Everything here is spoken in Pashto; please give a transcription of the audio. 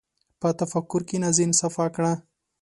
په تفکر کښېنه، ذهن صفا کړه.